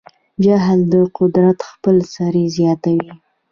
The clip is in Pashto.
جهل د قدرت خپل سری زیاتوي.